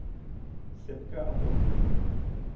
Сәпкә атыу